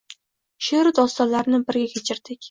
She’ru dostonlarni birga kechirdik